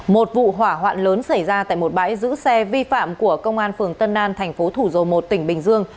một vụ hỏa hoạn lớn xảy ra tại một bãi giữ xe vi phạm của công an phường tân an thành phố thủ dầu một tỉnh bình dương